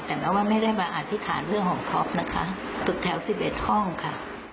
แต่แม้ว่าไม่ได้มาอธิษฐานเรื่องของท็อปนะคะตึกแถว๑๑ห้องค่ะ